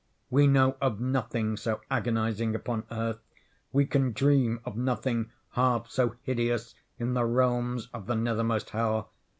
We know of nothing so agonizing upon Earth—we can dream of nothing half so hideous in the realms of the nethermost Hell.